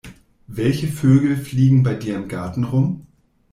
Welche Vögel fliegen bei dir im Garten rum?